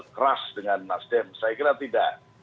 keras dengan nasdem saya kira tidak